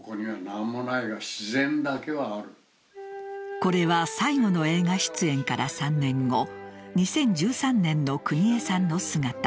これは最後の映画出演から３年後２０１３年の邦衛さんの姿。